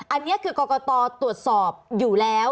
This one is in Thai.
อันนี้คือกรกตตรวจสอบอยู่แล้ว